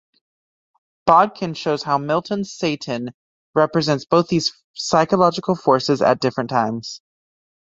Bodkin shows how Milton's Satan represents both these psychological forces at different times.